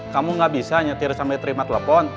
kamu gak bisa nyetir sampai terima telepon